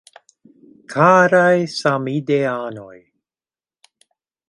Karaj Samideanoj!